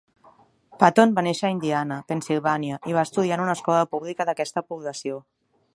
Patton va néixer a Indiana, Pennsylvania, i va estudiar en una escola pública d'aquesta població.